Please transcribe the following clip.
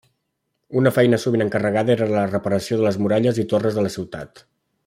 Una feina sovint encarregada era la reparació de les muralles i torres de la ciutat.